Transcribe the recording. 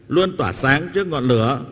luôn tỏa sáng trước ngọn lửa